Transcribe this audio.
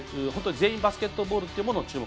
全員バスケットボールというのを注目。